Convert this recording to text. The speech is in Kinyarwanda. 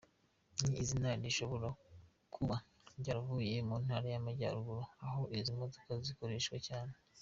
Iri zina rishobora kuba ryaravuye mu ntara y’Amajyaruguru aho izi modoka zikoreshwa cyane.